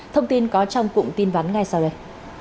thông tin có trong cụm tin vắn ngay sau đây